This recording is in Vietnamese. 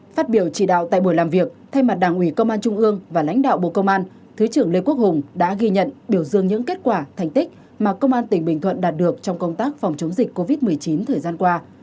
phát biểu chỉ đạo tại buổi làm việc thay mặt đảng ủy công an trung ương và lãnh đạo bộ công an thứ trưởng lê quốc hùng đã ghi nhận biểu dương những kết quả thành tích mà công an tỉnh bình thuận đạt được trong công tác phòng chống dịch covid một mươi chín thời gian qua